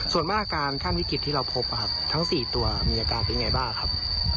ส่วนมากอาการขั้นวิกฤตที่เราพบทั้ง๔ตัวมีอาการเป็นไงบ้างครับ